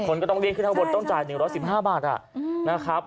คนก็ต้องลีขึ้นข้างบนต้องจ่ายหนึ่งร้อยสิบห้าบาทอ่ะนะครับ